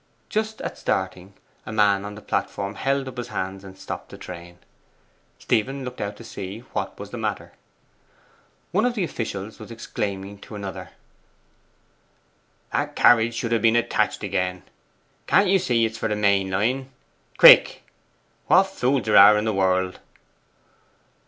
Just at starting, a man on the platform held up his hands and stopped the train. Stephen looked out to see what was the matter. One of the officials was exclaiming to another, 'That carriage should have been attached again. Can't you see it is for the main line? Quick! What fools there are in the world!